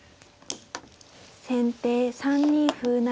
先手３二歩成。